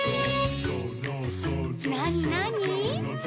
「なになに？」